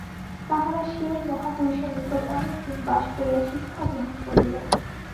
তাহারা সেই মহাপুরুষের নিকট অনেক দিন বাস করিয়া শিক্ষা গ্রহণ করিল।